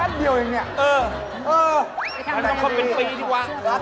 นี่พี่เบิร์ท